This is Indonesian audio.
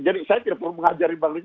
jadi saya tidak perlu mengajari bang rizal